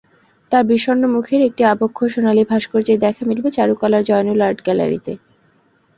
তাঁর বিষণ্ন মুখের একটি আবক্ষ সোনালি ভাস্কর্যের দেখা মিলবে চারুকলার জয়নুল আর্ট গ্যালারিতে।